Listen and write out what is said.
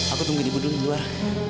aku tunggu ibu dulu di luar